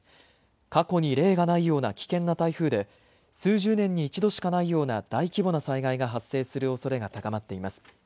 過去に例がないような危険な台風で数十年に一度しかないような大規模な災害が発生するおそれが高まっています。